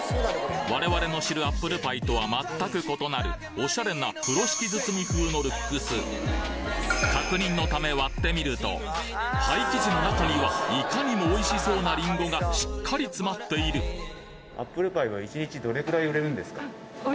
我々の知るアップルパイとは全く異なるおしゃれな風呂敷包みふうのルックス確認のため割ってみるとパイ生地の中にはいかにもおいしそうなリンゴがしっかり詰まっている・ええっ！